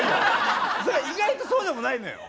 意外とそうでもないのよ。